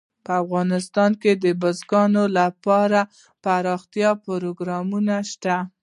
په افغانستان کې د بزګانو لپاره دپرمختیا پروګرامونه شته.